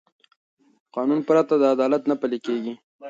قانون پرته عدالت نه پلي کېږي